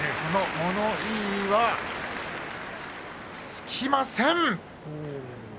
物言いはつきません！